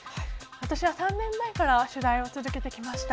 私は３年前から取材を続けてきました。